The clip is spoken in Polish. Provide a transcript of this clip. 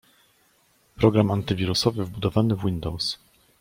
Program antywirusowy wbudowany w Windows